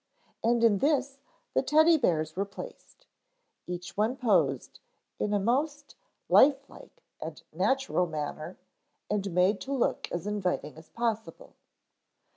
And in this the Teddy bears were placed, each one posed in a most life like and natural manner and made to look as inviting as possible.